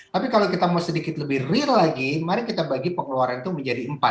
tapi kalau kita mau sedikit lebih real lagi mari kita bagi pengeluaran itu menjadi empat